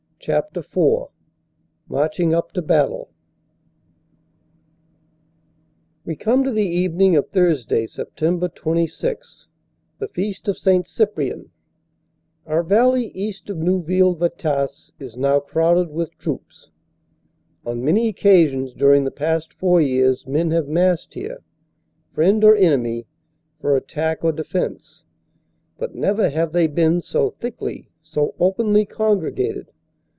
CHAPTER IV MARCHING UP TO BATTLE WE come to the evening of Thursday, Sept. 26, the feast of St. Cyprian. Our valley east of Neuville Vitasse is now crowded with troops. On many occasions dur ing the past four years men have massed here ; friend or enemy, for attack or defense ; but never have they been so thickly, so openly congregated.